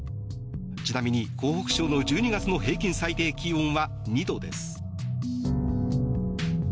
ちなみに湖北省の１２月の平均最低気温は２度です。